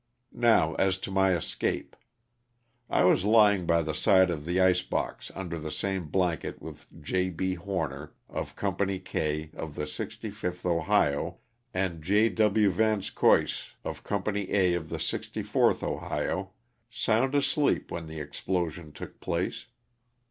Now, as to my escape. I was lying by the side of the ice box under the same blanket with J. B. Horner of Oo. K of the 65th Ohio, and J. W. Vanscoyce of Co. A of the 64th Ohio, sound asleep when the explosion took place.